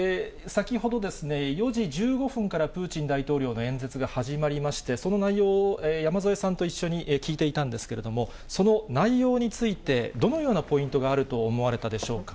先ほど、４時１５分からプーチン大統領の演説が始まりまして、その内容を山添さんと一緒に聞いていたんですけれども、その内容について、どのようなポイントがあると思われたでしょうか。